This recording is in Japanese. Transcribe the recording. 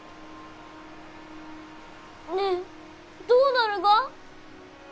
ねえどうなるが？